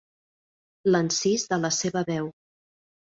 L'encís de la seva veu.